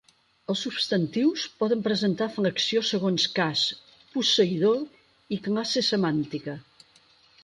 Els substantius poden presentar flexió segons cas, posseïdor i classe semàntica.